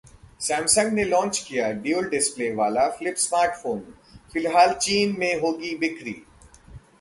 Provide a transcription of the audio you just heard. Samsung ने launch किया dual display वाला फ्लिप स्मार्टफोन, फिलहाल चीन में होगी बिक्री